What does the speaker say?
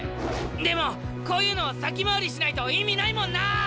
でもこういうの先回りしないと意味ないもんな！